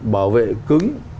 bảo vệ cứng